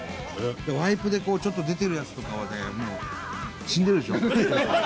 ワイプでちょっと出てるやつとかはね死んでるでしょ？